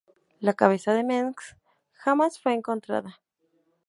La cabeza de Mengsk jamás fue encontrada.